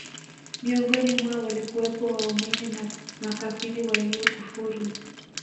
miongoni mwao walikuwepo Waumini na makafiri Waliokufuru